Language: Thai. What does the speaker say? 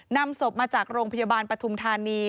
นำศพมาจากโรงพยาบาลปฐุมธานี